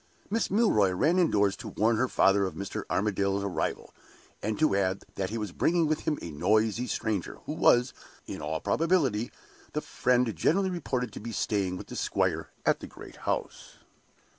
Miss Milroy ran indoors to warn her father of Mr. Armadale's arrival, and to add that he was bringing with him a noisy stranger, who was, in all probability, the friend generally reported to be staying with the squire at the great house.